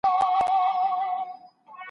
هغه وويل چي ښوونځی مهم دی.